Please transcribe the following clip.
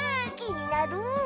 きになる。